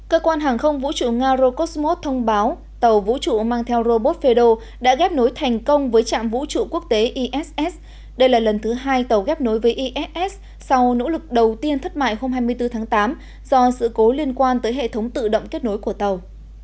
cơ quan hàng không vũ trụ nga rocosmos thông báo tàu vũ trụ mang theo robot fedor đã ghép nối thành công với trạm vũ trụ quốc tế iss đây là lần thứ hai tàu ghép nối với iss sau nỗ lực đầu tiên thất mại hôm hai mươi bốn tháng tám do sự cố liên quan tới hệ thống tự động kết nối của tàu